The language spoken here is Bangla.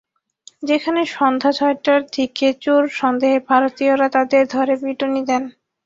সেখানে সন্ধ্যা ছয়টার দিকে চোর সন্দেহে ভারতীয়রা তাঁদের ধরে পিটুনি দেন।